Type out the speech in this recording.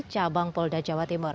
cabang polda jawa timur